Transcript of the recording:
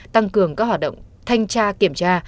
tăng cường các hoạt động thanh tra kiểm tra